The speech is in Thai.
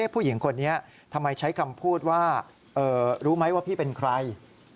ผู้หญิงคนนี้ทำไมใช้คำพูดว่ารู้ไหมว่าพี่เป็นใคร